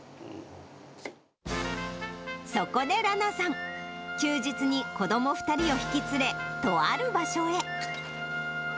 そこで羅名さん、休日に子ども２人を引き連れ、とある場所へ。